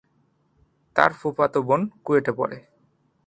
তার ফুফাতো বোন কুয়েটে পড়ে।